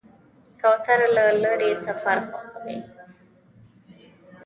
کوتره له لرې سفر خوښوي.